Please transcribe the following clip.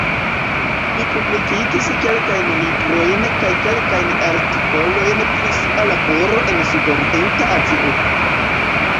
Li publikigis kelkajn librojn kaj kelkajn artikolojn pri sia laboro en Sudorienta Azio.